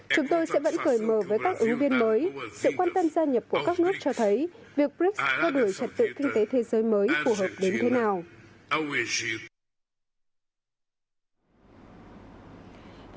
chúng tôi sẽ vẫn cười mờ với các ứng viên mới sự quan tâm gia nhập của các nước cho thấy việc brics thay đổi trật tự kinh tế thế giới mới phù hợp đến thế nào